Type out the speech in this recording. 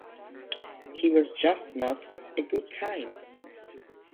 He was just not a good time.